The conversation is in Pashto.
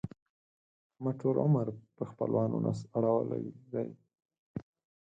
احمد ټول عمر پر خپلوانو نس اړول دی.